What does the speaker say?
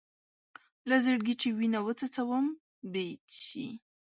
له زړګي چې وينه وڅڅوم بېت شي.